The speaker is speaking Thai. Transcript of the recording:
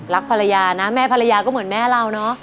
รักภรรยานะแม่ภรรยาก็เหมือนแม่เราเนอะ